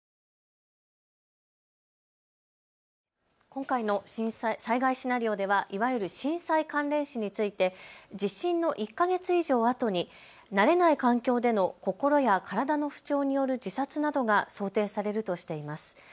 今回の災害シナリオではいわゆる震災関連死について地震の１か月以上あとに慣れない環境での心や体の不調による自殺などが想定されるとしています。